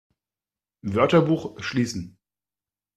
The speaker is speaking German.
Wörterbuch schließen!